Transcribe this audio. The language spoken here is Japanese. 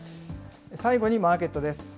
最後にマーケットです。